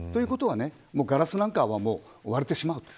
ということはガラスなんかは割れてしまう。